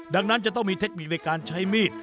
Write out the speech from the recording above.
ดังนั้นจะต้องมีเทคนิคในการใช้มีด